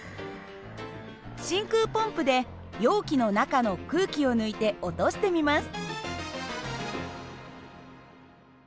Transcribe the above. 真空ポンプで容器の中の空気を抜いて落としてみます。